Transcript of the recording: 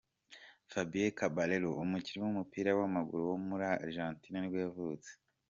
Fabián Caballero, umukinnyi w’umupira w’amaguru wo muri Argentine nibwo yavutse.